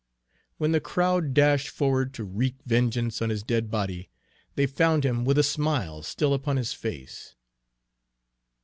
When the crowd dashed forward to wreak vengeance on his dead body, they found him with a smile still upon his face.